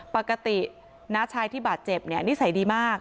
ปกติน้าชายที่บาดเจ็บเนี่ยนิสัยดีมาก